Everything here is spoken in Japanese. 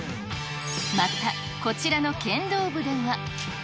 また、こちらの剣道部では。